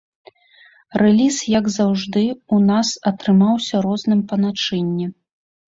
Рэліз, як заўжды ў нас, атрымаўся розным па начынні.